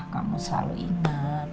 kamu selalu inget